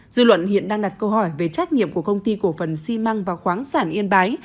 dư luận hiện đang đặt câu hỏi về trách nhiệm của công ty cổ phần xi măng và khoáng sản yên bái